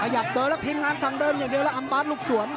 อยากเดินแล้วทีมงานสั่งเดินอย่างเดียวแล้วอัมบาสลูกสวน